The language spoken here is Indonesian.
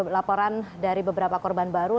laporan dari beberapa korban baru